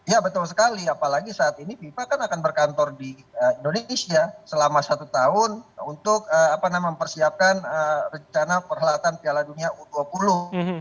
ya betul sekali apalagi saat ini fifa kan akan berkantor di indonesia selama satu tahun untuk mempersiapkan rencana perhelatan piala dunia u dua puluh